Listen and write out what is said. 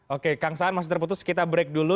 oke kang saan masih terputus kita break dulu